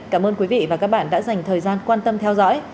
cảm ơn quý vị và các bạn đã dành thời gian quan tâm theo dõi